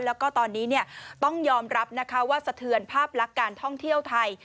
แล้วก็ตอนนี้ต้องยอมรับนะคะว่าสะเทือนภาพลักษณ์การท่องเที่ยวไทย